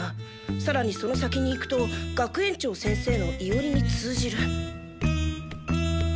さらにその先に行くと学園長先生のいおりに通じる。